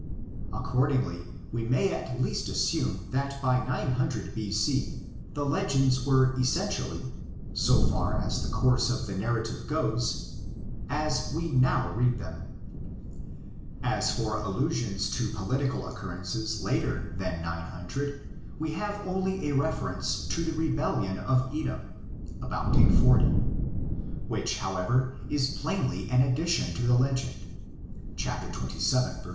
Accordingly we may at least assume that by 900 B.C. the legends were essentially, so far as the course of the narrative goes, as we now read them. As for allusions to political occurrences later than 900, we have only a reference to the rebellion of Edom (about 840), which, however, is plainly an addition to the legend (xxvii. 40b).